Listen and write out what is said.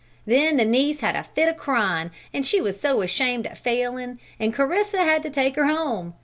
Then the niece had a fit o' cryin', she was so ashamed at failin', an' Clarissa had to take her home.